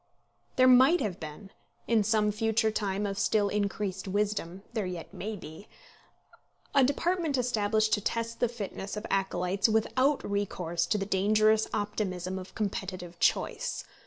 There might have been, in some future time of still increased wisdom, there yet may be, a department established to test the fitness of acolytes without recourse to the dangerous optimism of competitive choice.